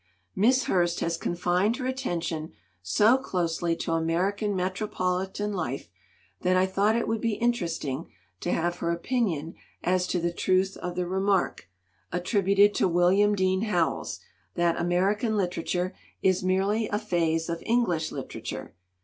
Miss Hurst has confined her attention so closely to American metropolitan life that I thought it would be interesting to have her opinion as to the truth of the remark, attributed to William Dean Howells, that American literature is merely a phase of English literature.